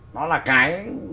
nó là cái